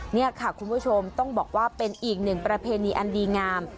นี่ค่ะคุณผู้ชมต้องบอกว่าเป็นอีกหนึ่งประเพณีอันดีงาม